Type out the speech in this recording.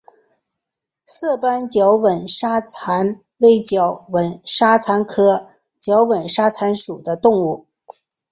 色斑角吻沙蚕为角吻沙蚕科角吻沙蚕属的动物。